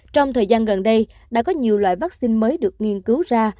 trong thời gian gần đây đã có nhiều loại vaccine mới được nghiên cứu ra